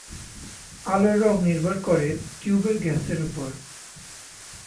আলোর রং নির্ভর করে টিউবের গ্যাসের উপর।